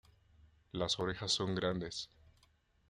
Las orejas son grandes.